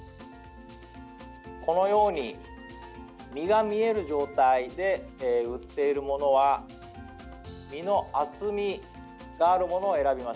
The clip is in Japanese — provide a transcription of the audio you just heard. このように身が見える状態で売っているものは身の厚みがあるものを選びましょう。